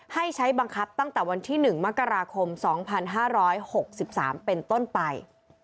ให้ใช้บังคับตั้งแต่วันที่๑มกราคม๒๕๖๓เป็นต้นไป